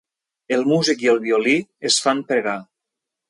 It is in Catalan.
El músic i el violí es fan pregar.